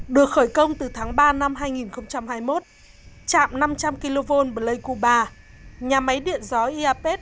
được khởi công từ tháng ba năm hai nghìn hai mươi một chạm năm trăm linh kv blake cuba nhà máy điện gió iapes